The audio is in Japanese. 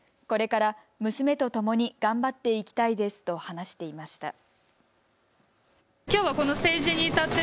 これから娘とともに頑張っていきたいですと話していました。